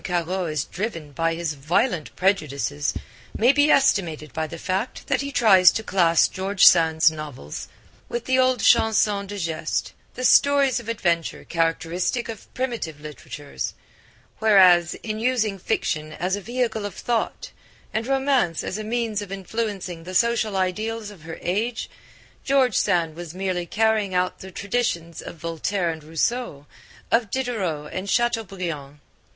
Caro is driven by his violent prejudices may be estimated by the fact that he tries to class George Sand's novels with the old Chansons de geste, the stories of adventure characteristic of primitive literatures; whereas in using fiction as a vehicle of thought, and romance as a means of influencing the social ideals of her age, George Sand was merely carrying out the traditions of Voltaire and Rousseau, of Diderot and of Chateaubriand.